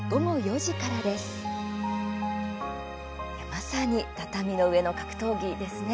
まさに畳の上の格闘技ですね。